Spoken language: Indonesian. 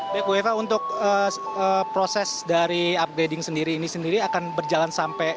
baik bu eva untuk proses dari upgrading sendiri ini sendiri akan berjalan sampai